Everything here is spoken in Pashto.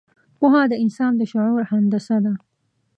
پوهه د انسان د شعور هندسه ده.